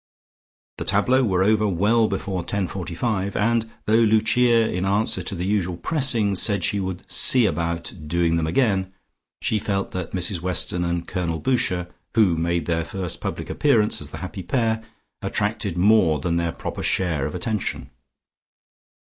The tableaux were over well before 10.45, and though Lucia in answer to the usual pressings, said she would "see about" doing them again, she felt that Mrs Weston and Colonel Boucher, who made their first public appearance as the happy pair, attracted more than their proper share of attention.